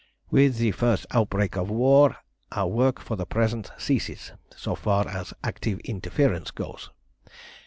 "With the first outbreak of war our work for the present ceases, so far as active interference goes.